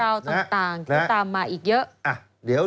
เรื่องราวต่างที่ตามมาอีกเยอะ